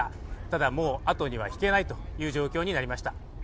ただもうあとには引けないという状況になりました。